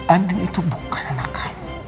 andi itu bukan anak kami